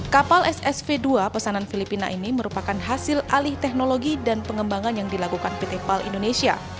kapal ssv dua pesanan filipina ini merupakan hasil alih teknologi dan pengembangan yang dilakukan pt pal indonesia